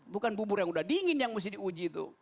bukan bubur yang udah dingin yang mesti diuji itu